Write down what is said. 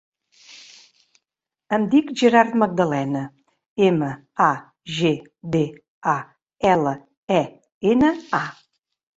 Em dic Gerard Magdalena: ema, a, ge, de, a, ela, e, ena, a.